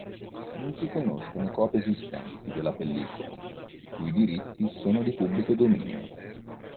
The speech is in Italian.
Non si conoscono copie esistenti della pellicola, i cui diritti sono di pubblico dominio.